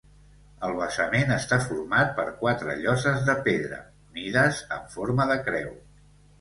El basament està format per quatre lloses de pedra, unides en forma de creu.